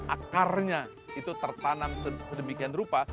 akarnya itu tertanam sedemikian rupa